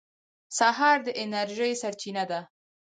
سهار د انرژۍ سرچینه ده.